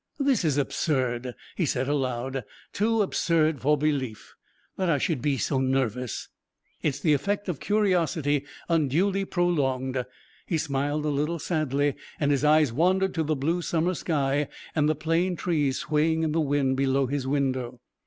"This is absurd," he said aloud; "too absurd for belief that I should be so nervous! It's the effect of curiosity unduly prolonged." He smiled a little sadly and his eyes wandered to the blue summer sky and the plane trees swaying in the wind below his window.